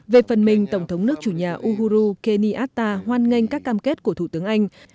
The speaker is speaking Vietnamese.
về phần mình tổng thống nước chủ nhà uhuru kenyatta hoan nghênh các cam kết của thủ tướng anh